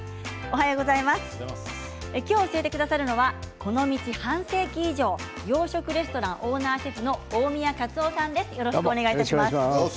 今日、教えてくださるのはこの道半世紀以上洋食レストランオーナーシェフの大宮勝雄さんです。